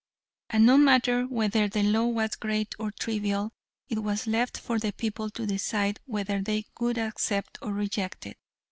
And no matter whether the law was great or trivial, it was left for the people to decide whether they would accept or reject it.